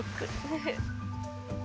フフ！